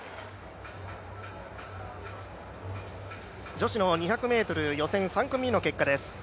女子の２００ｍ予選３組目の結果です。